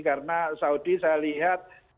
karena saudi saya lihat